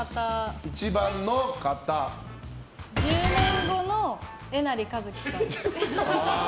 １０年後のえなりかずきさん。